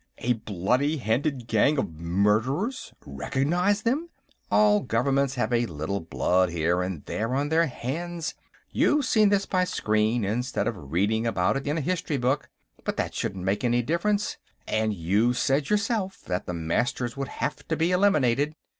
"A bloody handed gang of murderers; recognize them?" "All governments have a little blood here and there on their hands; you've seen this by screen instead of reading about it in a history book, but that shouldn't make any difference. And you've said, yourself, that the Masters would have to be eliminated.